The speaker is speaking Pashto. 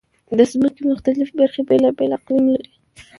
د ځمکې مختلفې برخې بېلابېل اقلیم لري.